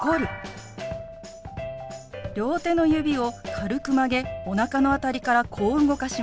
両手の指を軽く曲げおなかの辺りからこう動かします。